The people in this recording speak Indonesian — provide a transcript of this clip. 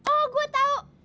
oh gue tau